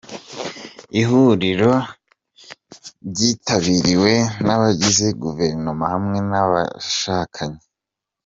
Iri huriro ryitabiriwe n’abagize Guverinoma hamwe n’abo bashakanye